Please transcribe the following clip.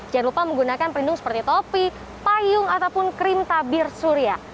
jangan lupa menggunakan perlindung seperti topi payung ataupun krim tabir surya